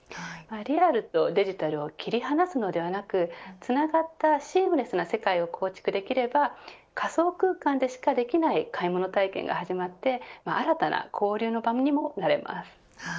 リアルとデジタルを切り離すのではなくつながったシームレスな世界を構築できれば仮想空間でしかできない買い物体験が始まって新たな交流の場にもなります。